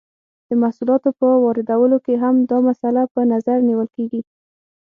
د محصولاتو په واردولو کې هم دا مسئله په نظر نیول کیږي.